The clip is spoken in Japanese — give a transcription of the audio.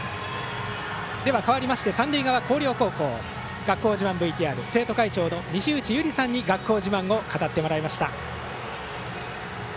かわりまして三塁側の広陵高校学校自慢ＶＴＲ生徒会長の西内佑織さんに学校自慢を語ってもらいました。